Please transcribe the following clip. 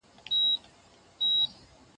زه به اوږده موده قلم استعمالوم کړی وم